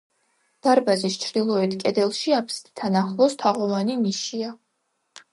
დარბაზის ჩრდილოეთ კედელში, აფსიდთან ახლოს თაღოვანი ნიშია.